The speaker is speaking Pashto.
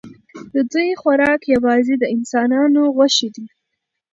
د دوی خوراک یوازې د انسانانو غوښې دي.